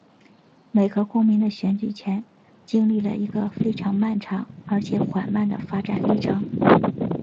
美国公民的选举权经历了一个非常漫长而且缓慢的发展历程。